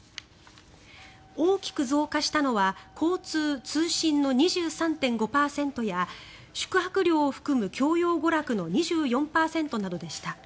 大きく増加したのは交通・通信の２３．５％や宿泊料を含む教養娯楽の２４％などでした。